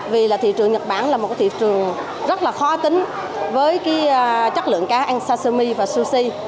vì là thị trường nhật bản là một cái thị trường rất là khó tính với cái chất lượng cá ăn sashimi và sushi